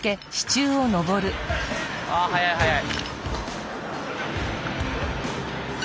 あ速い速い。